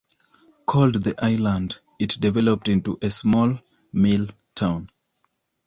Called the Island, it developed into a small mill town.